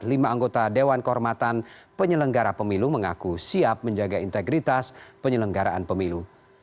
lima anggota dewan kehormatan penyelenggara pemilu mengaku siap menjaga integritas penyelenggaraan pemilu